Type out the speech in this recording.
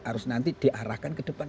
harus nanti diarahkan ke depan